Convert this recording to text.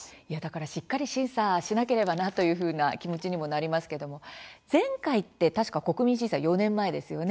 しっかり審査をしないといけないという気持ちにもなりますけれども、前回って確か「国民審査」は４年前ですよね。